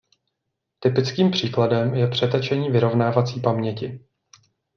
Typickým příkladem je přetečení vyrovnávací paměti.